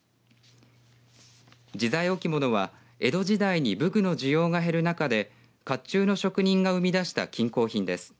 自在置物は江戸時代に武具の需要が減る中でかっちゅうの職人が生み出した金工品です。